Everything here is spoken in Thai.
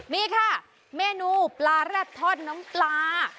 นี่ค่ะเมนูปลาแรดทอดน้ำปลา